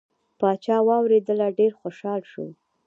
پاچا واورېدله ډیر خوشحال شو.